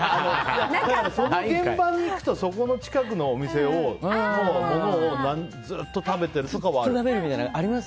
その現場に行くとその近くのお店のものをずっと食べてるとかはある。